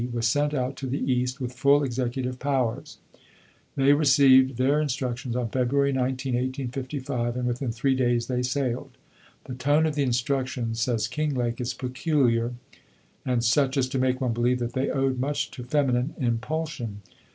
was sent out to the East with full executive powers. They received their instructions on February 19, 1855, and within three days they sailed. "The tone of the instructions," says Kinglake, "is peculiar, and such as to make one believe that they owed much to feminine impulsion.